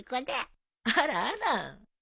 あらあら。